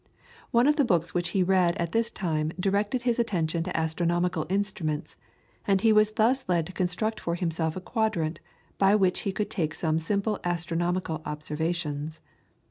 One of the books which he read at this time directed his attention to astronomical instruments, and he was thus led to construct for himself a quadrant, by which he could take some simple astronomical observations.